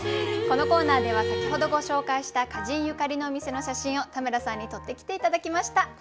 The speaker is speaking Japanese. このコーナーでは先ほどご紹介した歌人ゆかりのお店の写真を田村さんに撮ってきて頂きました。